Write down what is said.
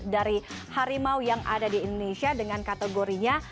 dari harimau yang ada di indonesia dengan kategorinya